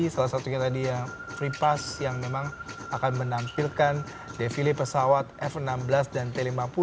salah satunya tadi ya free pass yang memang akan menampilkan defile pesawat f enam belas dan t lima puluh